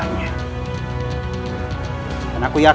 telah menyampaikan yang sebenarnya